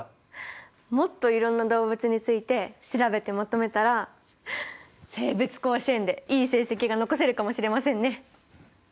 もっといろんな動物について調べてまとめたら生物甲子園でいい成績が残せるかもしれませんね。